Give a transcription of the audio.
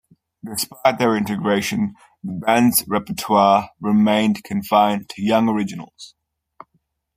Despite their integration, the band's repertoire remained confined to Young originals.